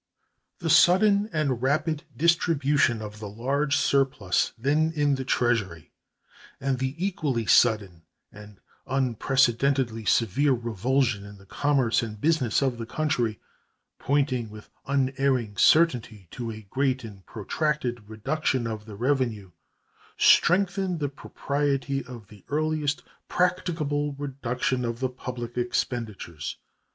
The sudden and rapid distribution of the large surplus then in the Treasury and the equally sudden and unprecedentedly severe revulsion in the commerce and business of the country, pointing with unerring certainty to a great and protracted reduction of the revenue, strengthened the propriety of the earliest practicable reduction of the public expenditures.